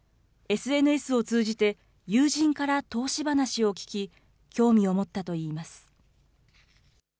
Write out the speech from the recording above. ＳＮＳを通じて友人から投資話を聞き、興味を持ったといいます。